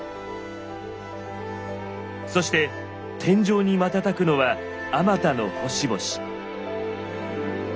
そして天井に瞬くのはあまたの星々。